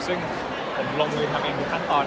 ซึ่งผมลงมือทำเองทุกขั้นตอน